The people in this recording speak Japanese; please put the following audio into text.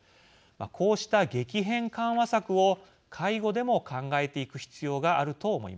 こうした激変緩和策を介護でも考えていく必要があると思います。